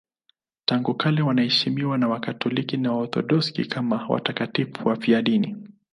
Tangu kale wanaheshimiwa na Wakatoliki na Waorthodoksi kama watakatifu wafiadini.